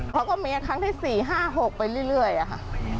เขาก็มีครั้งที่๔๕๖ไปเรื่อยอะค่ะ